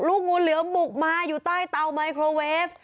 งูเหลือมบุกมาอยู่ใต้เตาไมโครเวฟ